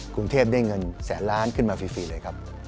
กรุงเทพได้เงินแสนล้านขึ้นมาฟรีเลยครับ